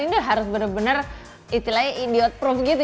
ini harus bener bener itilai idiot proof gitu